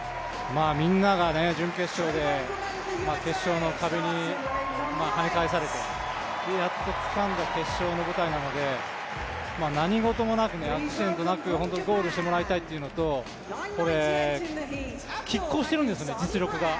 みんなが準決勝で決勝の壁にはね返されてやっとつかんだ決勝の舞台なので何事もなくアクシデントなくゴールしてもらいたいというのと、きっ抗しているんですね、実力が。